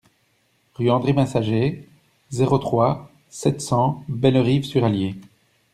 Rue Andre Messager, zéro trois, sept cents Bellerive-sur-Allier